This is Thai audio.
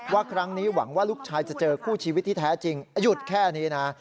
ว่าครั้งนี้หวังว่าลูกชายจะเจอคู่ชีวิตที่แท้จริงหยุดแค่นี้นะ